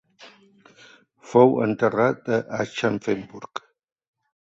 Fou enterrat a Aschaffenburg.